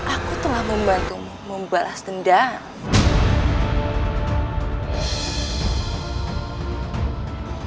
aku telah membantumu membalas denda